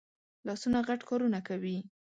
لاسونه غټ کارونه کوي